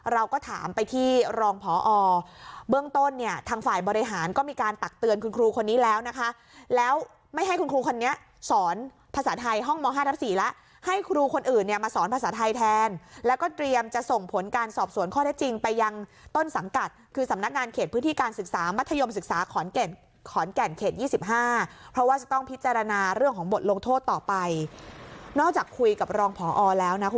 เราก็ถามไปที่รองพอเบื้องต้นเนี้ยทางฝ่ายบริหารก็มีการตักเตือนคุณครูคนนี้แล้วนะคะแล้วไม่ให้คุณครูคนนี้สอนภาษาไทยห้องมห้าทับสี่แล้วให้ครูคนอื่นเนี้ยมาสอนภาษาไทยแทนแล้วก็เตรียมจะส่งผลการสอบสวนข้อเท็จจริงไปยังต้นสำกัดคือสำนักงานเขตพื้นที่การศึกษามัธยมศึกษาขอน